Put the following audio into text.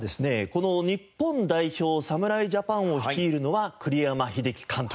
この日本代表侍ジャパンを率いるのは栗山英樹監督。